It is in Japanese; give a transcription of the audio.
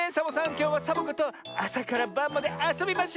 きょうはサボ子とあさからばんまであそびましょ。